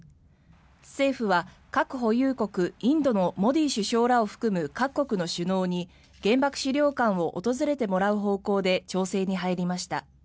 政府は核保有国インドのモディ首相らを含む各国の首脳に原爆資料館を訪れてもらう方向で調整に入りました。